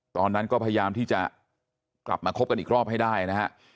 ตอนนั้นก็พยายามที่จะกลับมาคบกันอีกรอบให้ได้นะฮะ